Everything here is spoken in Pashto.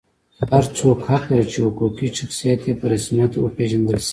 هر څوک حق لري چې حقوقي شخصیت یې په رسمیت وپېژندل شي.